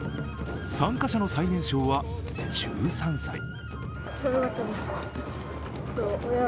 参加者の最年少は１３歳。